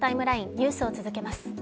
ニュースを続けます。